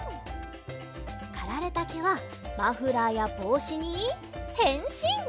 かられたけはマフラーやぼうしにへんしん！